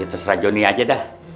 ya terserah jonny aja dah